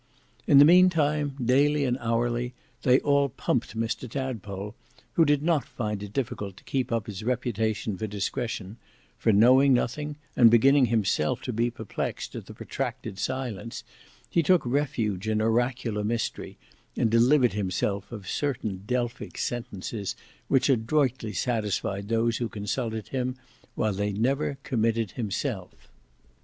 In the meantime, daily and hourly they all pumped Mr Tadpole, who did not find it difficult to keep up his reputation for discretion; for knowing nothing, and beginning himself to be perplexed at the protracted silence, he took refuge in oracular mystery, and delivered himself of certain Delphic sentences which adroitly satisfied those who consulted him while they never committed himself.